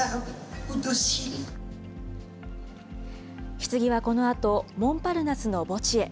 ひつぎはこのあと、モンパルナスの墓地へ。